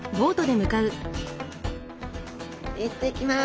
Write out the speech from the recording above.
行ってきます。